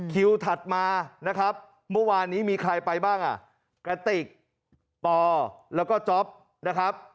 ถัดมานะครับเมื่อวานนี้มีใครไปบ้างอ่ะกระติกปอแล้วก็จ๊อปนะครับ